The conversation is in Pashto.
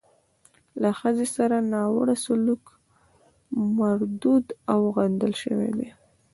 له ښځې سره ناوړه سلوک مردود او غندل شوی دی.